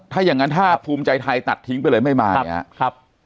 ถ้าอย่างนั้นถ้าภูมิใจไทยตัดทิ้งไปเลยไม่มาเนี่ยครับ